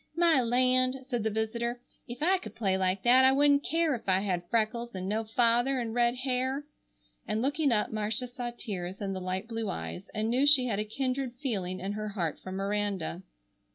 "My land!" said the visitor, "'f I could play like that I wouldn't care ef I had freckles and no father and red hair," and looking up Marcia saw tears in the light blue eyes, and knew she had a kindred feeling in her heart for Miranda.